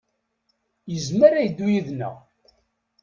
Yezmer ad yeddu yid-neɣ.